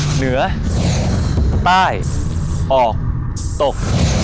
เหนือใต้ออกตก